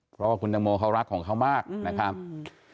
เพราะว่าคุณตังโมเขารักของเขามากนะครับอืม